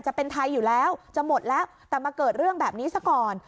จะเป็นไทยอยู่แล้วจะหมดแล้วแต่มาเกิดเรื่องแบบนี้ซะก่อน